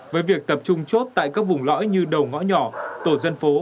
với việc tập trung chốt tại các vùng lõi như đầu ngõ nhỏ tổ dân phố